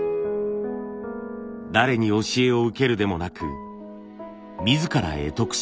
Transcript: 誰に教えを受けるでもなく自ら会得した方法です。